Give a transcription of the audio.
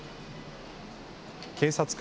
警察官